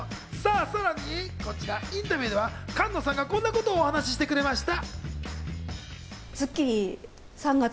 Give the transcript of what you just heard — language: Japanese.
さらにインタビューでは菅野さんがこんなことをお話してくれました。